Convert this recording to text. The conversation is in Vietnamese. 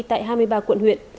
tại hai mươi ba quận huyện